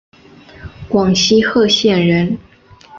广西贺县人。